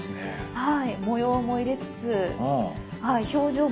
はい。